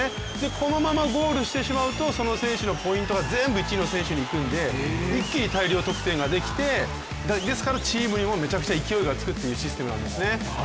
このままゴールしてしまうと、その選手のポイントが全部１位の選手にいくので、一気に大量得点ができてですから、チームにも勢いがつくというシステムなんです。